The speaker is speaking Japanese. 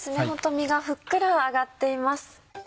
身がふっくら揚がっています。